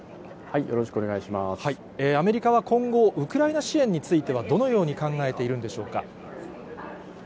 アメリカは今後、ウクライナ支援についてはどのように考えているんでしょうか。